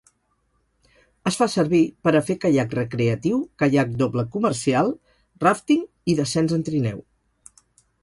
Es fa servir per a fer caiac recreatiu, caiac doble comercial, ràfting i descens en trineu.